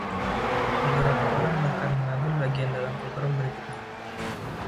Beberapa orang bahkan mengambil bagian dalam pogrom berikutnya.